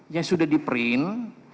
yang sudah di print